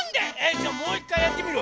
じゃあもういっかいやってみる？